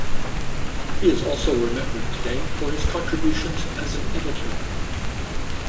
He is also remembered today for his contributions as an editor.